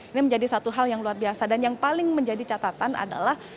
ini menjadi satu hal yang luar biasa dan yang paling menjadi catatan adalah